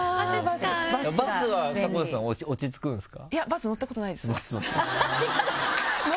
バスは迫田さん落ち着くんですか？